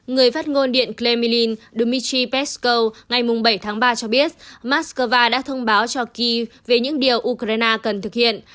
người phát ngôn điện kremlin dmytro peskov ngày bảy ba cho biết moscow đã thông báo cho kiev về những điều ukraine cần thực hiện